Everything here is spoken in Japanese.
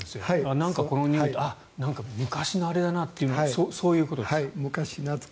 なんかこのにおいって昔のあれだなというのはそういうことですか？